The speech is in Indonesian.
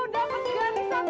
datang datang datang